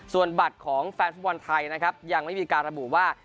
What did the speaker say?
ส่วนบัตรของแฟนทฤลภัณฑ์ไทยนะครับยังมีการระบุว่า